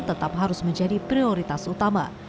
tetap harus menjadi prioritas utama